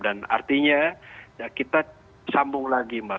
dan artinya kita sambung lagi mbak